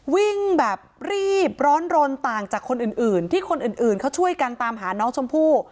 วิ่งแบบรีบร้อนรนต่างจากคนอื่นที่คนอื่นเขาช่วยกันตามหาน้องชมพู่